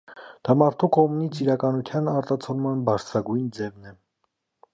Դա մարդու կողմից իրականության արտացոլման բարձրագույն ձևն է։